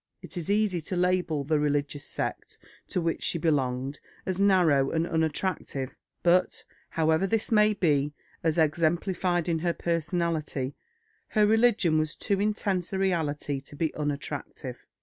It is easy to label the religious sect to which she belonged as narrow and unattractive; but however this may be, as exemplified in her personally, her religion was too intense a reality to be unattractive.